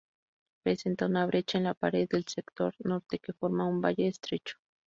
Presenta una brecha en la pared del sector norte que forma un valle estrecho.